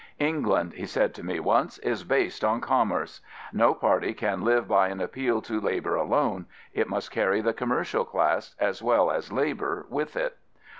" England,'* he said to me once, is based on commerce. No party can live by an appeal to labour alone: it must carry the conimercial class as well as labour with it."